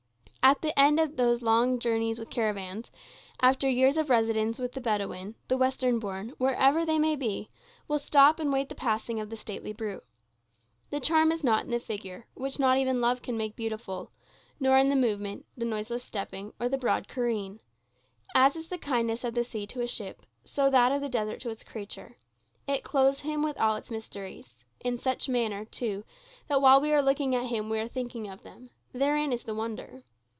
At the end of long journeys with caravans, after years of residence with the Bedawin, the Western born, wherever they may be, will stop and wait the passing of the stately brute. The charm is not in the figure, which not even love can make beautiful; nor in the movement, the noiseless stepping, or the broad careen. As is the kindness of the sea to a ship, so that of the desert to its creature. It clothes him with all its mysteries; in such manner, too, that while we are looking at him we are thinking of them: therein is the wonder.